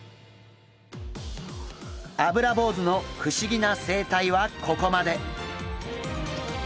アブラボウズの不思議な生態はここまで。